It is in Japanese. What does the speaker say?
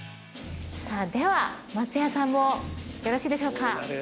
では松也さんもよろしいでしょうか？